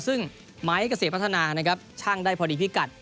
ซึ่งไม้เกษตรพัฒนานะครับช่างได้พอดีพิกัด